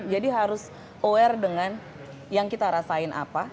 jadi harus aware dengan yang kita rasain apa